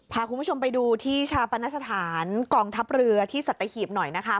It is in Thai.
พาคุณผู้ชมไปดูที่ชาปนสถานกองทัพเรือที่สัตหีบหน่อยนะคะ